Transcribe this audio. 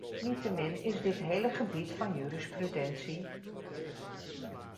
Niettemin is dit hele gebied van jurisprudentie...